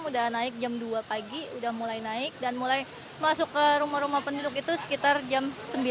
udah naik jam dua pagi udah mulai naik dan mulai masuk ke rumah rumah penduduk itu sekitar jam sembilan